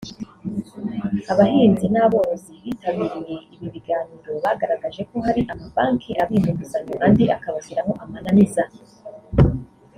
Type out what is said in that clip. Abahinzi n’aborozi bitabiriye ibi biganiro bagaragaje ko hari amabanki abima inguzanyo andi akabashyiraho amananiza